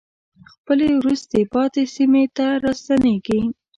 خپلې وروسته پاتې سیمې ته راستنېږي.